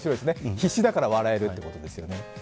必死だから笑えるってことですよね。